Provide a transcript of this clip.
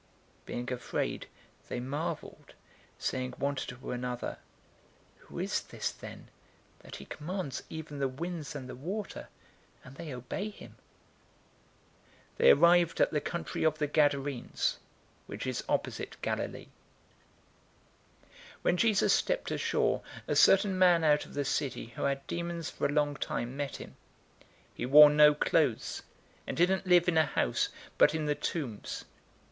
Being afraid they marveled, saying one to another, "Who is this, then, that he commands even the winds and the water, and they obey him?" 008:026 They arrived at the country of the Gadarenes, which is opposite Galilee. 008:027 When Jesus stepped ashore, a certain man out of the city who had demons for a long time met him. He wore no clothes, and didn't live in a house, but in the tombs.